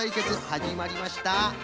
はじまりました。